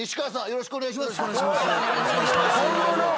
よろしくお願いします。